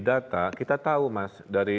data kita tahu mas dari